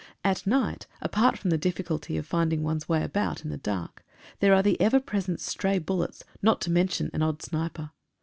At night apart from the difficulty of finding one's way about in the dark, there are the ever present stray bullets, not to mention an odd sniper.